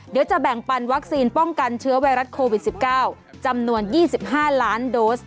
เดี๋ยวจะแบ่งปันวัคซีนป้องกันเชื้อไวรัสโควิด๑๙จำนวน๒๕ล้านโดส